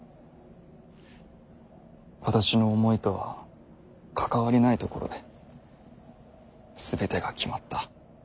私の思いとは関わりないところで全てが決まった。